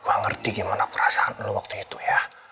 gua ngerti gimana perasaan lu waktu itu ya